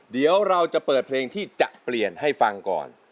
เดี๋ยวเราจะเปิดเพลงที่จะเปลี่ยนให้ฟังก่อน